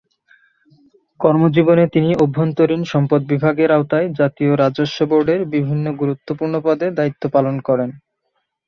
কর্মজীবনে তিনি অভ্যন্তরীণ সম্পদ বিভাগের আওতায় জাতীয় রাজস্ব বোর্ডের বিভিন্ন গুরুত্বপূর্ণ পদে দায়িত্ব পালন করেন।